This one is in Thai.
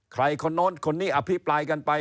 ใครคนนั้นคนี่อภิบายกันไป